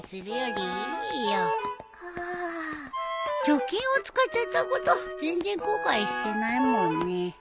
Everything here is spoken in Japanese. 貯金を使っちゃったこと全然後悔してないもんね。